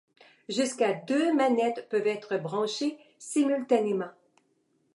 Jusqu'à deux manettes peuvent être branchées simultanément.